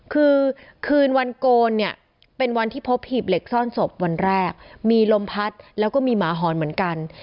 คือคืนวันโกนเนี่ยเป็นวันที่พบหีบเหล็กซ่อนศพวันแรกมีลมพัดแล้วก็มีหมาหอนเหมือนกัน